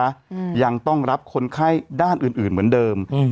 อืมยังต้องรับคนไข้ด้านอื่นอื่นเหมือนเดิมอืม